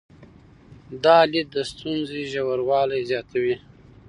دا لید د ستونزې ژوروالي زیاتوي.